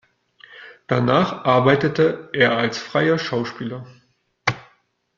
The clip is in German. Danach arbeitete er als freier Schauspieler.